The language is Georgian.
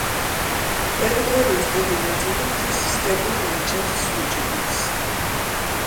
ტერიტორიის დიდი ნაწილი მთის სტეპურ ლანდშაფტს უჭირავს.